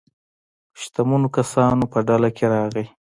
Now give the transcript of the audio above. شتمنو کسانو په ډله کې راغی.